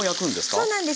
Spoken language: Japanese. そうなんです。